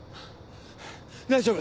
大丈夫？